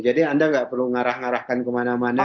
jadi anda tidak perlu mengarahkan kemana mana